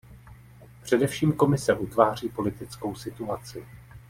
Především Komise utváří politickou situaci.